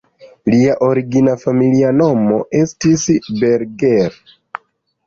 Lia origina familia nomo estis "Berger".